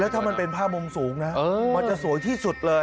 ถ้ามันเป็นภาพมุมสูงนะมันจะสวยที่สุดเลย